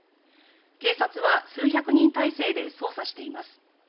警察は数百人態勢で捜査しています。